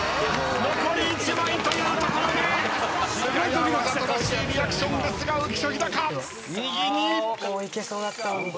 残り１枚というところでややわざとらしいリアクションですが浮所飛貴右２。